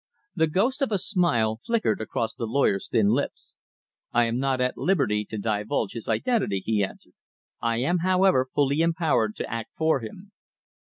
The ghost of a smile flickered across the lawyer's thin lips. "I am not at liberty to divulge his identity," he answered. "I am, however, fully empowered to act for him."